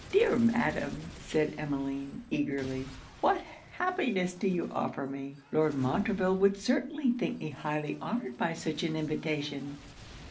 'Dear Madam,' said Emmeline, eagerly, 'what happiness do you offer me! Lord Montreville would certainly think me highly honoured by such an invitation.'